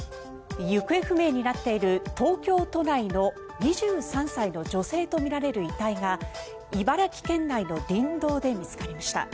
行方不明になっている東京都内の２３歳の女性とみられる遺体が茨城県内の林道で見つかりました。